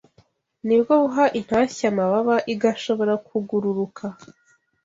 ni bwo buha intashya amababa igashobora kugururuka